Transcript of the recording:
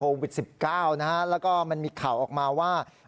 โควิด๑๙นะฮะแล้วก็มันมีข่าวออกมาว่า